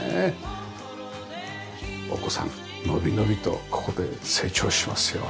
お子さんのびのびとここで成長しますよ。